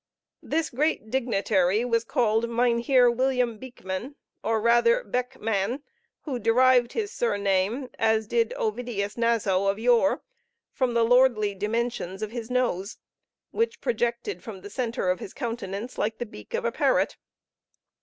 This great dignitary was called Mynheer William Beekman, or rather Beck man, who derived his surname, as did Ovidius Naso of yore, from the lordly dimensions of his nose, which projected from the center of his countenance like the beak of a parrot.